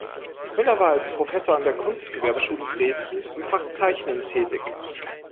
Müller war als Professor an der Kunstgewerbeschule Dresden im Fach Zeichnen tätig.